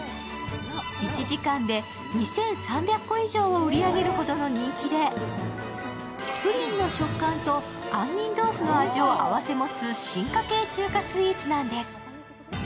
１時間で２３００個以上を売り上げるほどの人気で、プリンの食感と杏仁豆腐の味を併せ持つ進化系中華スイーツなんです。